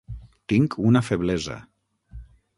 Tinc una feblesa.